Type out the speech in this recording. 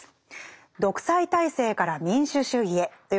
「独裁体制から民主主義へ」という本です。